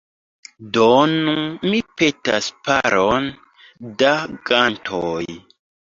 Donu, mi petas, paron da gantoj.